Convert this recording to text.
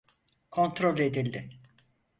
Kontrol edildi.